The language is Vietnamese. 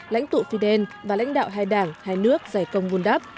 lãnh tụ phi đen và lãnh đạo hai đảng hai nước giải công vun đắp